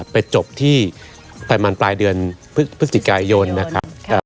จบที่ประมาณปลายเดือนพฤศจิกายนนะครับ